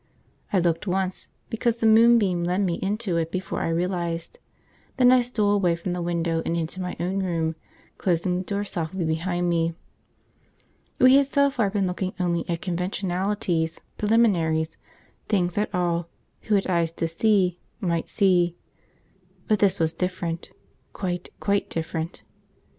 I looked once, because the moonbeam led me into it before I realised; then I stole away from the window and into my own room, closing the door softly behind me. We had so far been looking only at conventionalities, preliminaries, things that all (who had eyes to see) might see; but this was different quite, quite different.